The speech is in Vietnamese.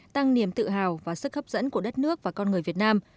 tăng niềm tự hào và sức hấp dẫn của đất nước và con người việt nam